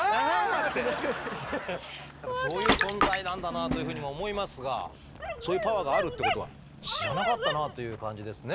そういう存在なんだなあというふうにも思いますがそういうパワーがあるっていうことは知らなかったなあという感じですね。